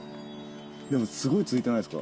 すごい続いてないですか？